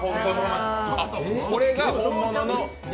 これが本当の。